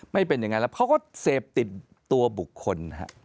ไม่เป็นอย่างนั้นแล้วเขาก็เสพติดตัวบุคคล